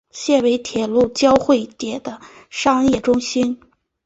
现为铁路交会点和商业中心。